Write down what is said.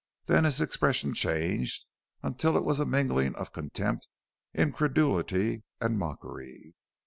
Then his expression changed until it was a mingling of contempt, incredulity, and mockery.